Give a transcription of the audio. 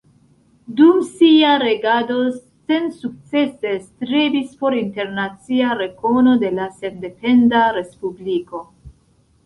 Dum sia regado sensukcese strebis por internacia rekono de la sendependa respubliko.